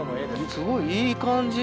すごいいい感じ。